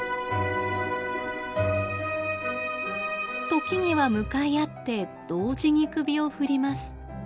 時には向かい合って同時に首を振ります。